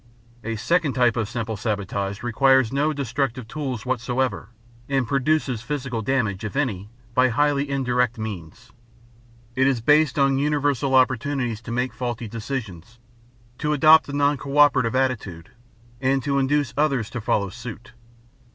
A second type of simple sabotage requires no destructive tools whatsoever and produces physical damage, if any, by highly indirect means. It is based on universal opportunities to make faulty decisions, to adopt a noncooperative attitude, and to induce others to follow suit.